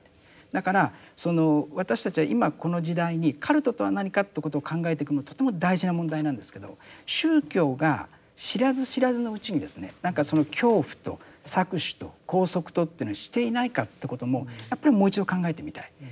だからその私たちは今この時代にカルトとは何かということを考えていくのはとても大事な問題なんですけど宗教が知らず知らずのうちにですねなんかその恐怖と搾取と拘束とというのをしていないかってこともやっぱりもう一度考えてみたい。